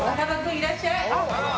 いらっしゃい！